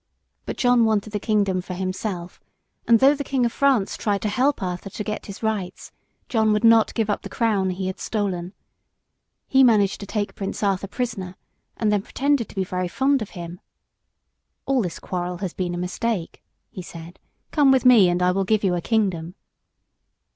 But John wanted the kingdom for himself, and though the King of France tried to help Arthur to get his rights, John would not give up the crown he had stolen. He managed to take Prince Arthur prisoner, and then pretended to be very fond of him. "All this quarrel has been a mistake," he said; "come with me and I will give you a kingdom."